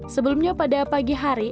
sebelumnya pada pagi hari